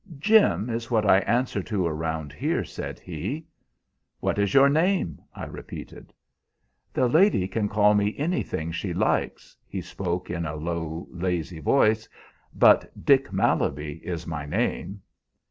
'Jim is what I answer to around here,' said he. "'What is your name?' I repeated. "'The lady can call me anything she likes,' he spoke in a low, lazy voice, 'but Dick Malaby is my name.'